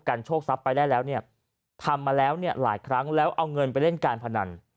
กันโชคทรัพย์ไปได้แล้วทำมาแล้วหลายครั้งแล้วเอาเงินไปเล่นการพนัน